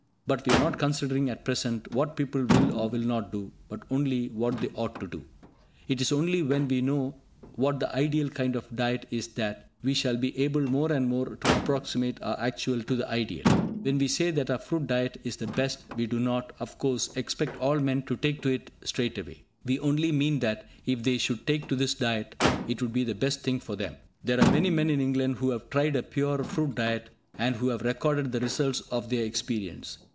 But we are not considering at present what people will or will not do, but only what they ought to do. It is only when we know what the ideal kind of diet is that we shall be able more and more to approximate our actual to the ideal. When we say that a fruit diet is the best, we do not, of course, expect all men to take to it straightway. We only mean that, if they should take to this diet, it would be the best thing for them. There are many men in England who have tried a pure fruit diet, and who have recorded the results of their experience.